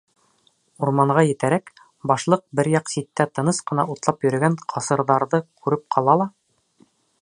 Урманға етәрәк, башлыҡ бер яҡ ситтә тыныс ҡына утлап йөрөгән ҡасырҙарҙы күреп ҡала ла: